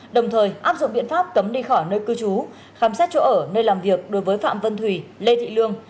đồng thời áp dụng biện pháp cấm đi khỏi nơi cư trú khám xét chỗ ở nơi làm việc đối với phạm vân thủy lê thị lương